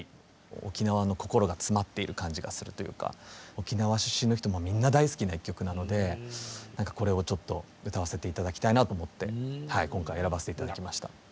沖縄の心が詰まっている感じがするというか沖縄出身の人もみんな大好きな１曲なのでこれをちょっと歌わせて頂きたいなと思って今回選ばせて頂きました。